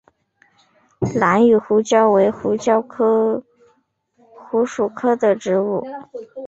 兰屿胡椒为胡椒科胡椒属的植物。